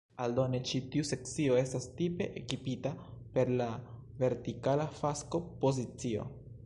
Aldone, ĉi tiu sekcio estas tipe ekipita per la vertikala fasko pozicio.